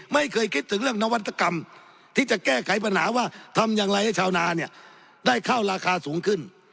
ไม่เคยคิดถึงเรื่องนวัตกรรมที่จะแก้ไขปัญหาว่าทำอย่างไรให้ชาวนาเนี่ยได้เข้าราคาสูงขึ้น